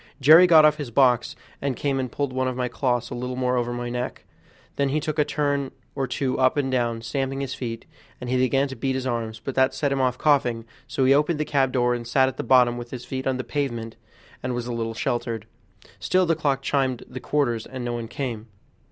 Jerry got off his box and came and pulled one of my cloths a little more over my neck; then he took a turn or two up and down, stamping his feet; then he began to beat his arms, but that set him off coughing; so he opened the cab door and sat at the bottom with his feet on the pavement, and was a little sheltered. Still the clock chimed the quarters, and no one came.